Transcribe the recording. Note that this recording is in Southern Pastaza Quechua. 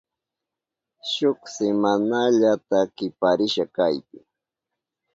Shuk simanallata kiparisha kaypi.